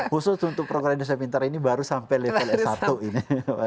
khusus untuk program indonesia pintar ini baru sampai level s satu ini